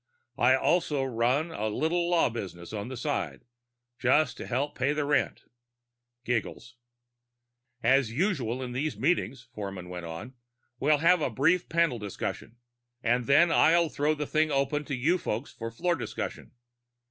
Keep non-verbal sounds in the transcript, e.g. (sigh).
I also run a little law business on the side, just to help pay the rent." (giggles) "As usual in these meetings," Forman went on, "we'll have a brief panel discussion, and then I'll throw the thing open to you folks for floor discussion.